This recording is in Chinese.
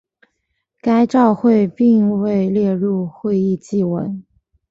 该照会并未列入会议记文。